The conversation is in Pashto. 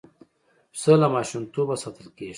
پسه له ماشومتوبه ساتل کېږي.